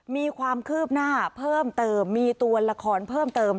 มีความคืบหน้าเพิ่มเติมมีตัวละครเพิ่มเติม